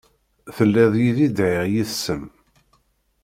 Telliḍ yid-i dhiɣ yes-m.